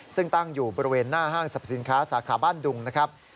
ซึ่งตั้งอยู่บริเวณหน้าห้างสรรพสินค้าสาขาบ้านดุงนะครับ